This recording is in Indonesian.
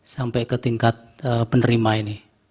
sampai ke tingkat penerima ini